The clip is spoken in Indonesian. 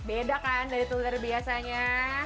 beda kan dari telur biasanya